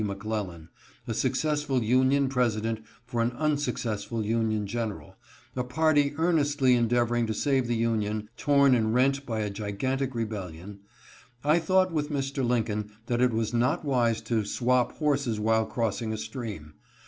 McClellan — a successful Union President for an unsuccessful Union general — a party earnestly endeavoring to save the Union, torn and rent by a gigantic rebellion, I thought with Mr. Lincoln that it was not wise to "swap horses while crossing a stream."